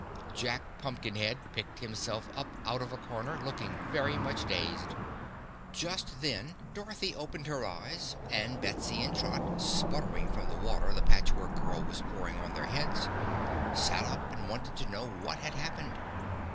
Jack Pumpkinhead picked himself up out of a corner, looking very much dazed. [Illustration: Jack Pumpkinhead] Just then Dorothy opened her eyes, and Betsy and Trot, spluttering from the water the Patch Work Girl was pouring on their heads, sat up and wanted to know what had happened.